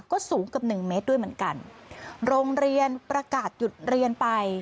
ก็สูงเกือบหนึ่งเมตรด้วยเหมือนกันโรงเรียนประกาศหยุดเรียนไป